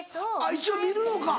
一応見るのか。